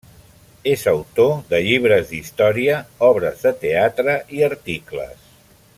És autor de llibres d'història, obres de teatre i articles.